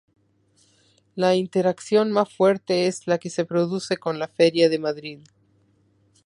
La interacción más fuerte es la que se produce con "La feria de Madrid".